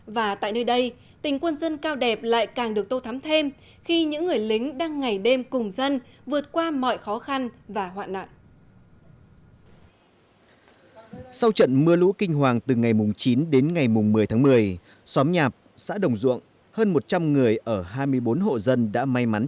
và tại nơi đây tình quân dân cao đẹp lại càng được tô thắm thêm khi những người lính đang ngày đêm cùng dân vượt qua mọi khó khăn và hoạn nạn